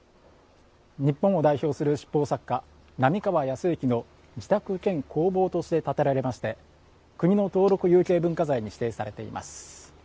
日本を代表する七宝作家並河靖之の自宅兼工房として建てられまして国の登録有形文化財に指定されています。